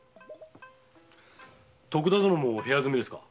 徳田殿も部屋住みですか？